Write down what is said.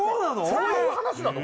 そういう話なの？